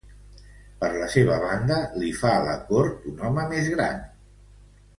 Per la seva banda, li fa la cort un home més gran.